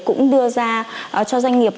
cũng đưa ra cho doanh nghiệp